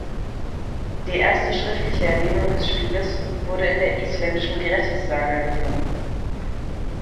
Die erste schriftliche Erwähnung des Spieles wurde in der isländischen Grettis-Saga gefunden.